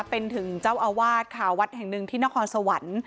เป็นถึงเจ้าอาวาสค่ะวัดแห่งหนึ่งที่นครสวรรค์